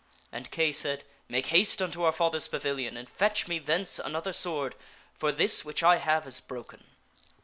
" And Kay said, " Make haste unto our father's pavilion and fetch me thence another sword, for this which I have is broken."